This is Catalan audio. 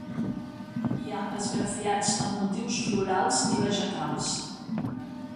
Hi ha esgrafiats amb motius florals i vegetals.